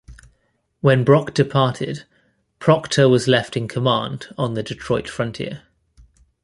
When Brock departed, Procter was left in command on the Detroit frontier.